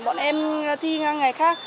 bọn em thi ngang ngày khác